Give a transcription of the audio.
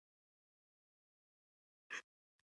زه عکس در استوم